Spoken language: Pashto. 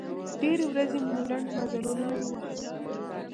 ډېرې ورځې مو لنډ مزلونه ووهل.